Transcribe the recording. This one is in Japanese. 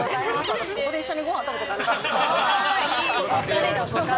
私、ここで一緒にごはん食べて帰ろうかな。